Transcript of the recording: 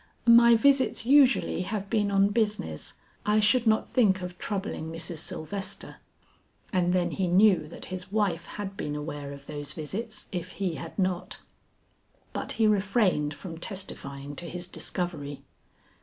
"My visits usually have been on business; I should not think of troubling Mrs. Sylvester." And then he knew that his wife had been aware of those visits if he had not. But he refrained from testifying to his discovery.